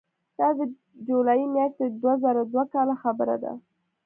دا د جولای میاشتې د دوه زره دوه کاله خبره ده.